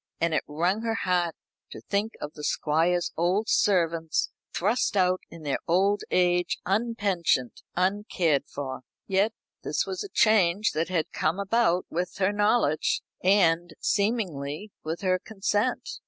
And it wrung her heart to think of the Squire's old servants thrust out in their old age, unpensioned, uncared for. Yet this was a change that had come about with her knowledge, and, seemingly, with her consent.